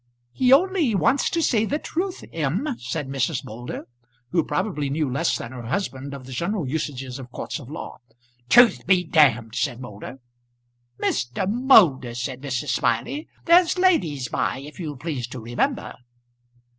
"He only wants to say the truth, M.," said Mrs. Moulder, who probably knew less than her husband of the general usages of courts of law. "Truth be ," said Moulder. "Mr. Moulder!" said Mrs. Smiley. "There's ladies by, if you'll please to remember."